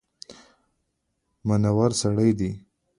منور سړی دی.